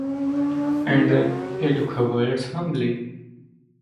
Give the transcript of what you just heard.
And then he took her words humbly.